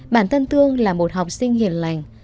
bản thân thương là một học sinh hiền lành